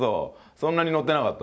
そんなに載ってなかった？